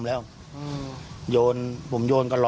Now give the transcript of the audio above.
แล้วโยนผมโยนการ์รอน